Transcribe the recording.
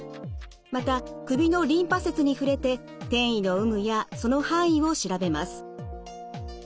また首のリンパ節に触れて転移の有無やその範囲を調べます。